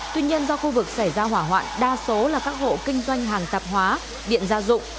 tuy nhiên do khu vực xảy ra hỏa hoạn đa số là các hộ kinh doanh hàng tạp hóa điện gia dụng